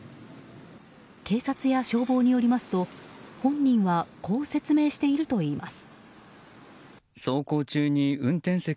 警察や消防によりますと本人はこう説明しているといいます。